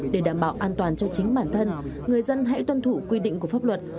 để đảm bảo an toàn cho chính bản thân người dân hãy tuân thủ quy định của pháp luật